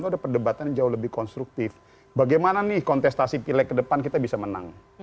itu ada perdebatan yang jauh lebih konstruktif bagaimana nih kontestasi pilek ke depan kita bisa menang